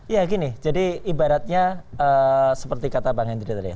ya gini jadi ibaratnya seperti kata bang hendry tadi